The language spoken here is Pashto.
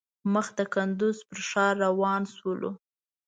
مخ د کندوز پر ښار روان شولو.